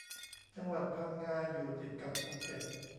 จังหวัดพังงาอยู่ติดกับภูเก็ต